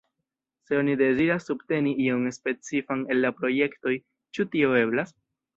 Se oni deziras subteni iun specifan el la projektoj, ĉu tio eblas?